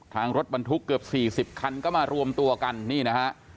ทางรถบรรทุกเกือบ๔๐คันก็มารวมตัวกันนี่นะฮะ